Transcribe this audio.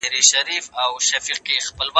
زه له سهاره د سبا لپاره د يادښتونه بشپړوم،